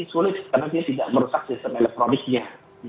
sulit karena dia tidak merusak sistem elektroniknya